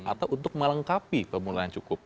atau untuk melengkapi pemula yang cukup